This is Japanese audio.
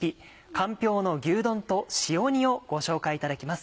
「かんぴょうの牛丼」と塩煮をご紹介いただきます。